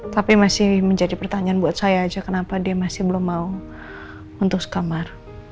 tapi masih menjadi pertanyaan buat saya aja kenapa dia masih belum mau untuk sekamar